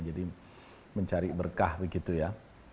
jadi mencari berkah begitu ya